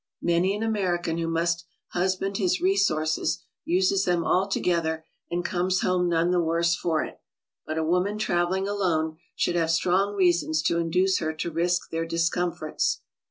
Many an American who must husband his resources uses them altogether and comes home none the worse for it, but a woman traveling alone should .have strong reasons to induce her to risk their dis comforts.